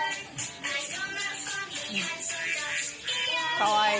かわいい。